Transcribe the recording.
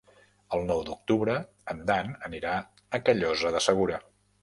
El nou d'octubre en Dan anirà a Callosa de Segura.